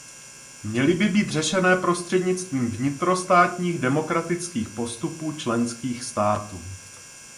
Měly by být řešené prostřednictvím vnitrostátních demokratických postupů členských států.